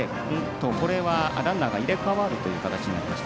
これはランナーが入れ代わるという形になりました。